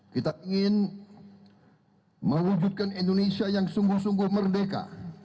kita ingin mewujudkan indonesia yang sungguh sungguh merdeka